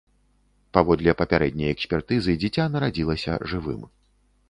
Паводле папярэдняй экспертызы, дзіця нарадзілася жывым.